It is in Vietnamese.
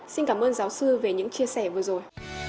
xin cảm ơn giáo sư về những chia sẻ vừa rồi